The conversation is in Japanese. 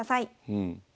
うん。